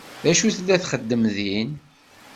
D acu tella txeddem din?